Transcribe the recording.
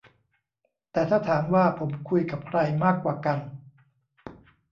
แต่ถ้าถามว่าผมคุยกับใครมากกว่ากัน